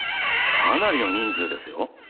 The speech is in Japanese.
かなりの人数ですよ。